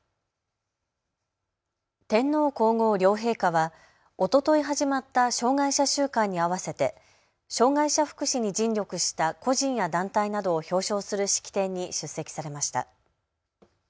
天皇皇后両陛下はおととい始まった障害者週間に合わせて障害者福祉に尽力した個人や団体などを表彰する式典に出席されました。